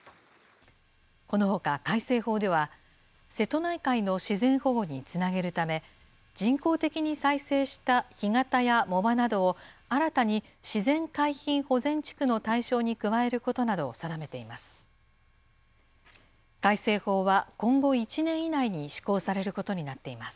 このほか改正法では、瀬戸内海の自然保護につなげるため、人工的に再生した干潟や藻場などを、新たに自然海浜保全地区の対象に加えることなどを定めています。